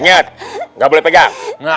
inget gak boleh pegang